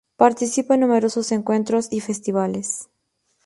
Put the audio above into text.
Participa en numerosos encuentros y festivales.